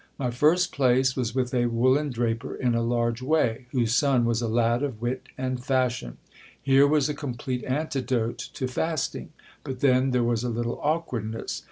My first place was with a woollen draper in a large way, whose son was a lad of wit and fashion ; here was a com plete antidote to fasting, but then there was a little awkwardness.